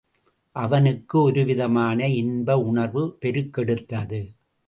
அவனுக்கு ஒரு விதமான இன்ப உணர்வு பெருக்கெடுத்தது.